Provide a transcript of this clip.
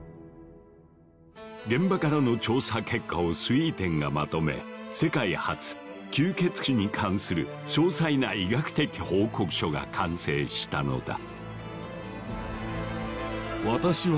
現場からの調査結果をスウィーテンがまとめ世界初吸血鬼に関する詳細な医学的報告書が完成したのだ。